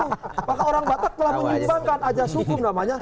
maka orang batak telah menyimpankan ajas hukum namanya